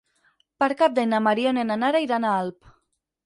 Per Cap d'Any na Mariona i na Nara iran a Alp.